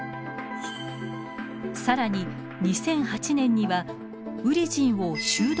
更に２００８年にはウリジンをシュード